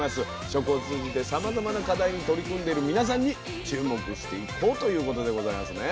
食を通じてさまざまな課題に取り組んでる皆さんに注目していこうということでございますね。